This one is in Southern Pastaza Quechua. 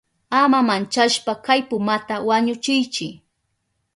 Ama manchashpa kay pumata wañuchiychi.